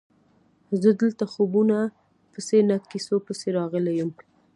زه دلته خوبونو پسې نه کیسو پسې راغلی یم.